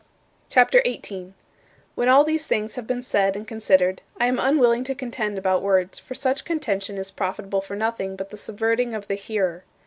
CHAPTER XVIII 27. When all these things have been said and considered, I am unwilling to contend about words, for such contention is profitable for nothing but the subverting of the hearer.